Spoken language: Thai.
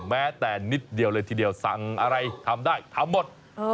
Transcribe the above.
แม้แต่นิดเดียวเลยทีเดียวสั่งอะไรทำได้ทำหมด